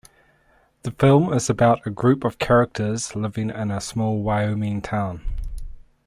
The film is about a group of characters living in a small Wyoming town.